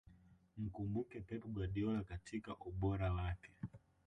mkumbuke pep guardiola katika ubora wake